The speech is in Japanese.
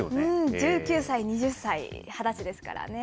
１９歳、２０歳、２０歳ですからね。